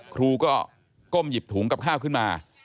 ครูก็ก้มหยิบถุงกับข้าวขึ้นมา